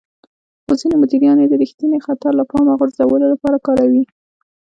خو ځينې مديران يې د رېښتيني خطر له پامه غورځولو لپاره کاروي.